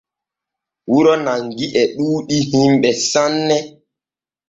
Wuro Nangi e ɗuuɗi himɓe sanne.